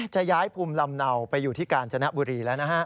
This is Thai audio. จะย้ายภูมิลำเนาไปอยู่ที่กาญจนบุรีแล้วนะฮะ